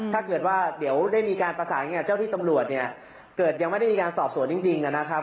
ถ้าเกิดว่าเดี๋ยวได้มีการประสานกับเจ้าที่ตำรวจเนี่ยเกิดยังไม่ได้มีการสอบสวนจริงนะครับ